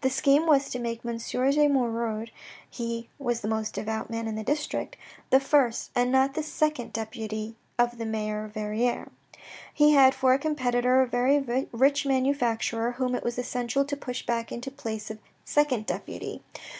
The scheme was to make M. de Moirod (he was the most devout man in the district) the first and not the second deputy of the mayor of Verrieres. He had for a competitor a very rich manufacturer whom it was essential to push back into the place of second deputy.